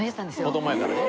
子供やからね。